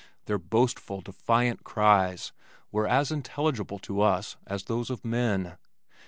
Their boastful, defiant cries were as intelligible to us as those of men.